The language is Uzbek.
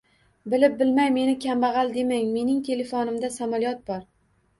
Bilib-bilmay meni kambag'al demang! Mening telefonimda samolyot bor...